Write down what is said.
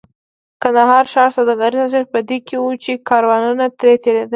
د کندهار ښار سوداګریز ارزښت په دې کې و چې کاروانونه ترې تېرېدل.